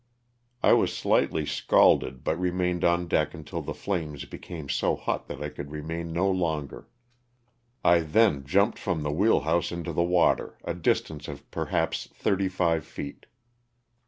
I was slightly scalded but remained on deck until the flames became so hot that I could remain no longer. I then jumped from the wheel house into the water, a distance of perhaps thirty five feet.